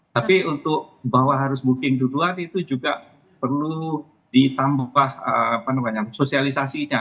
tapi untuk bahwa harus booking duluan itu juga perlu ditambah sosialisasinya